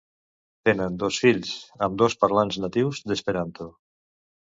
Tenen dos fills, ambdós parlants natius d'esperanto.